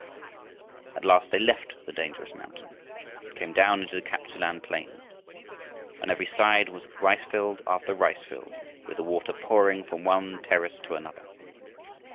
At last they left the dangerous mountain and came down into the Kap tsu lan plain. On every side was rice field after rice field, with the water pouring from one terrace to another.